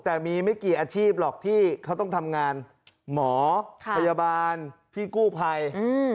แต่มีไม่กี่อาชีพหรอกที่เขาต้องทำงานหมอพยาบาลพี่กู้ภัย